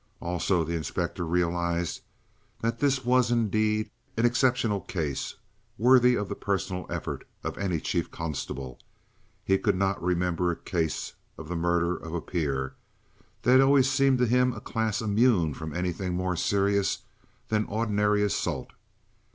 Also, the inspector realized that this was, indeed, an exceptional case worthy of the personal effort of any Chief Constable. He could not remember a case of the murder of a peer; they had always seemed to him a class immune from anything more serious than ordinary assault.